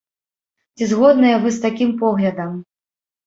Ці згодныя вы з такім поглядам?